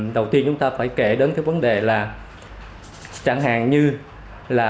đầu tiên chúng ta phải kể đến cái vấn đề là chẳng hạn như là